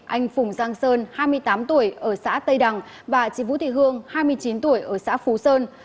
anh phùng giang sơn hai mươi tám tuổi ở xã tây đằng và chị vũ thị hương hai mươi chín tuổi ở xã phú sơn